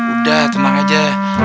udah tenang aja